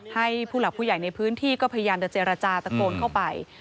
ผู้หลักผู้ใหญ่ในพื้นที่ก็พยายามจะเจรจาตะโกนเข้าไป